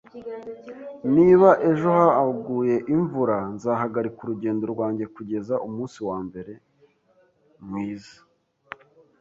Niba ejo haguye imvura, nzahagarika urugendo rwanjye kugeza umunsi wambere mwiza.